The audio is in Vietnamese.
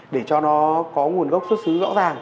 để cho nó có nguồn gốc xuất xứ rõ ràng